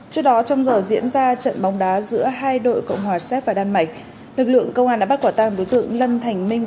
trước đó trong giờ diễn ra trận bóng đá giữa hai đội cộng hòa séc và đan mạch lực lượng công an đã bắt quả tang đối tượng lâm thành minh